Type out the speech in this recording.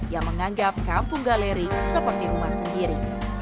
yang menganggap kampung galeri seperti rumah sendiri